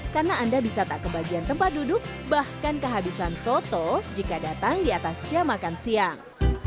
karena anda bisa tak kebagian tempat duduk bahkan kehabisan soto jika datang di atas jam makan siang